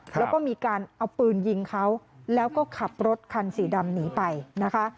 แล้วก็มีการเอาปืนยิงเขาแล้วก็ขับรถคันสีดำหนีไปนะคะ